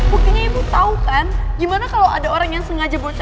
buktinya ibu tahu kan gimana kalau ada orang yang sengaja berceri